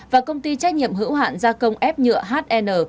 và công ty trách nhiệm hữu hạn gia công ép nhựa hn